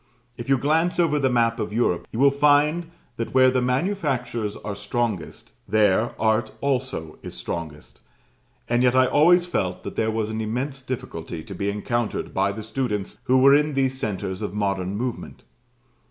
If you glance over the map of Europe, you will find that where the manufactures are strongest, there art also is strongest. And yet I always felt that there was an immense difficulty to be encountered by the students who were in these centres of modern movement.